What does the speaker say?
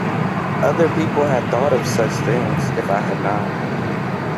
Other people had thought of such things, if I had not.